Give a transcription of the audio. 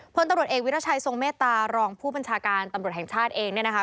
พลตำรวจเอกวิรัชัยทรงเมตตารองผู้บัญชาการตำรวจแห่งชาติเองเนี่ยนะคะ